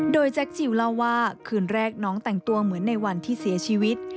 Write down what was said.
โดยแจ็คจิลเล่าว่าคืนแรกน้องแต่งตัวเหมือนในวันที่เสียชีวิต